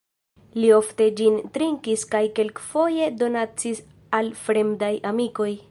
Li ofte ĝin trinkis kaj kelkfoje donacis al fremdaj amikoj.